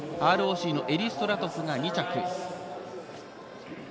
ＲＯＣのエリストラトフが２着。